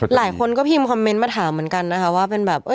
หลายคนก็พิมพ์คอมเมนต์มาถามเหมือนกันนะคะว่าเป็นแบบ